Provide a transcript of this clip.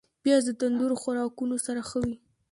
پیاز د تندور خوراکونو سره ښه وي